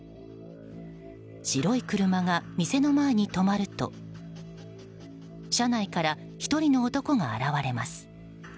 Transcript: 白い車が店の前に止まると車内から１人の男が現れます。